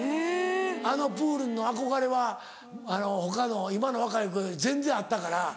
あのプールの憧れは他の今の若い子より全然あったから。